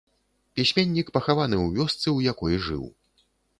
Пісьменнік пахаваны ў вёсцы, у якой жыў.